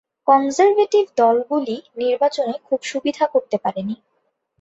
Conservative দলগুলি নির্বাচনে খুব সুবিধা করতে পারেনি।